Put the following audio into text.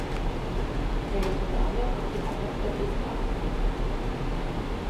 Er ist unter anderem auch die Heimat der Big Five.